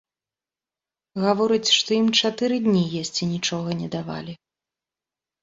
Гаворыць, што ім чатыры дні есці нічога не давалі.